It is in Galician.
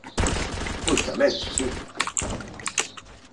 –Pois tamén, si.